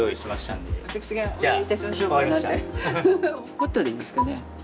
ホットでいいですかね。